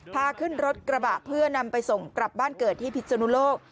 พาขึ้นรถกระบะเพื่อนำไปส่งกลับบ้านเกิดที่พิศนุโลก